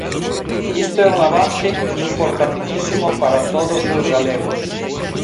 Isto é un avance importantísimo para todos os galegos.